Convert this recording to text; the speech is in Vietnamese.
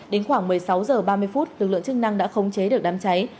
đến khoảng một mươi sáu h ba mươi lực lượng chức năng đã không chế được đám cháy